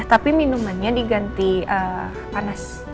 tapi minumannya diganti panas